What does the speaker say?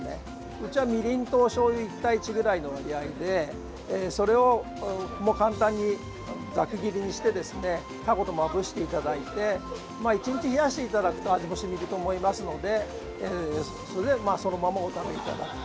うちはみりんとしょうゆ１対１ぐらいの割合でそれを簡単にざく切りにしてタコとまぶしていただいて１日冷やしていただくと味も染みると思いますのでそのままを食べていただく。